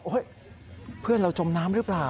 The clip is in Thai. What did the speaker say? เพื่อนเราจมน้ำหรือเปล่า